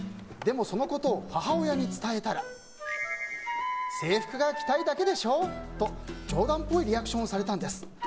でも、そのことを母親に伝えたら制服が着たいだけでしょと冗談っぽいリアクションをされたんです。